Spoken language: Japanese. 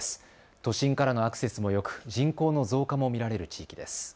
都心からのアクセスもよく人口の増加も見られる地域です。